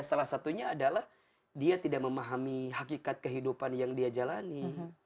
salah satunya adalah dia tidak memahami hakikat kehidupan yang dia jalani